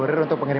dari dari dari